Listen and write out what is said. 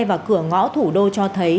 và cửa ngõ thủ đô cho thấy